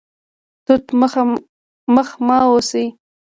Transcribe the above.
توت مخ مه اوسئ